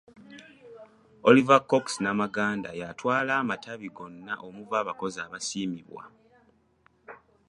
Olivia Cox Namaganda y'atwala amatabi gonna omuva abakozi abaasiimibwa.